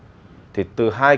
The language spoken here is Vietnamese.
để thi hành